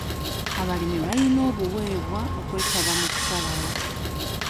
Abalimi bayina obuweebwa okwetaba mu kusalawo.